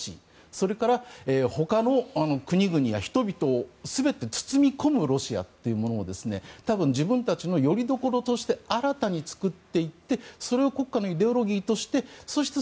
それから、他の国々や人々を全て包み込むロシアというものを自分たちのよりどころとして新たに作っていってそれを国家のイデオロギーとしてそして